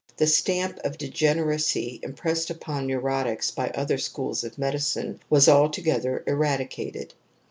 The stamp of degeneracy impressed upon neurotics by other schools of medicine was altogether eradicated.